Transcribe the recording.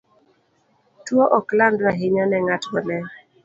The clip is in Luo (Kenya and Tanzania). Tuwo ok landre ahinya ne ng'at maler.